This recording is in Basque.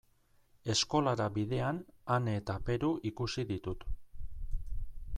Eskolara bidean Ane eta Peru ikusi ditut.